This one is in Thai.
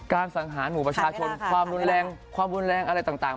การสังหารหมู่ประชาชนความรุนแรงอะไรต่าง